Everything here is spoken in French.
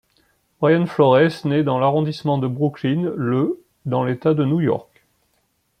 Brian Flores naît dans l'arrondissement de Brooklyn le dans l'État de New York.